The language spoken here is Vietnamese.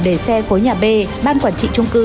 để xe khối nhà b ban quản trị trung cư